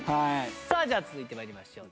さあじゃあ続いて参りましょう。